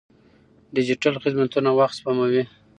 ډیجیټل خدمتونه وخت سپموي.